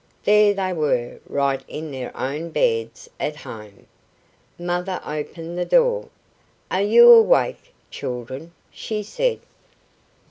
There they were right in their own beds at home. Mother opened the door. "Are you awake, children?" she said.